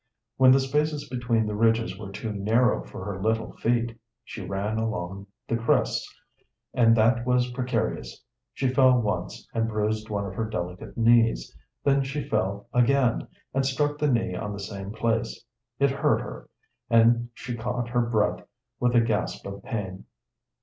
When the spaces between the ridges were too narrow for her little feet, she ran along the crests, and that was precarious. She fell once and bruised one of her delicate knees, then she fell again, and struck the knee on the same place. It hurt her, and she caught her breath with a gasp of pain.